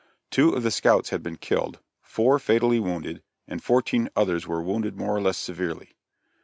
Two of the scouts had been killed, four fatally wounded, and fourteen others were wounded more or less severely.